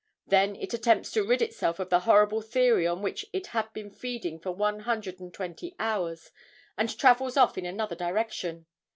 Then it attempts to rid itself of the horrible theory on which it had been feeding for one hundred and twenty hours and travels off in another direction.